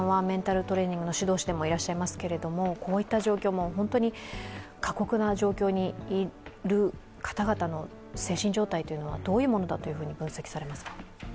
メンタルトレーニングの指導士でもいらっしゃいますけれども、こういった状況、過酷な状況にいる方々の精神状態というのはどういうものだと分析されますか？